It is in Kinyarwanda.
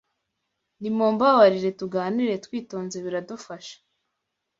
Nimumbabarire tuganire twitonze biradufasha